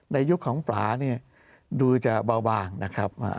ในยุคของปลานี้ดูจะเบาวางนะครับอ่า